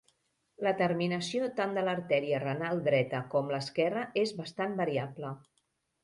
La terminació tant de l'artèria renal dreta com l'esquerra és bastant variable.